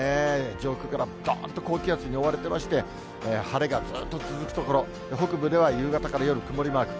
上空からどーんと高気圧に覆われてまして、晴れがずっと続くところ、北部では夕方から夜、曇りマーク。